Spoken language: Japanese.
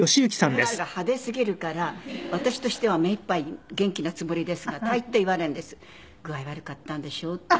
この人が派手すぎるから私としても目いっぱい元気なつもりですが大抵言われるんです「具合悪かったんでしょう」って。